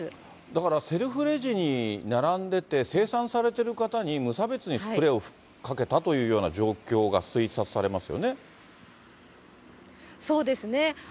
だから、セルフレジに並んでて、精算されている方に無差別にスプレーをかけたというような状況がそうですね。